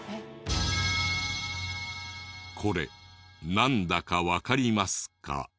これなんだかわかりますか？